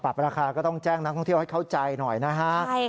ราคาก็ต้องแจ้งนักท่องเที่ยวให้เข้าใจหน่อยนะฮะ